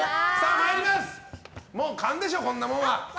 もう勘でしょうこんなものは。